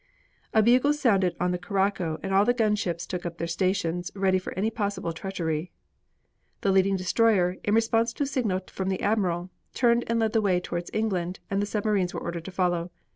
A bugle sounded on the Curacao and all the gun crews took up their stations, ready for any possible treachery. The leading destroyer, in response to a signal from the admiral, turned and led the way towards England and the submarines were ordered to follow.